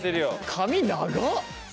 髪長っ。